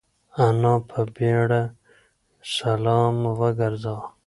انا په بيړه سلام وگرځاوه.